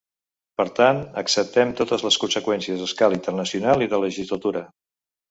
Per tant, acceptem totes les conseqüències a escala internacional i de legislatura.